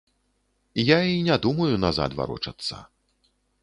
Я і не думаю назад варочацца.